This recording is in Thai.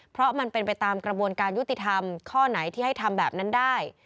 เพราะมันเป็นไปตามกระบวนการยุติธรรมข้อไหนที่ให้ทำแบบนั้นได้